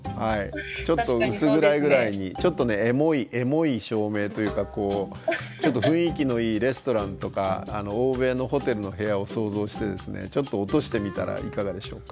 ちょっと薄暗いぐらいにちょっとねエモい照明というかちょっと雰囲気のいいレストランとか欧米のホテルの部屋を想像してですねちょっと落としてみたらいかがでしょうか。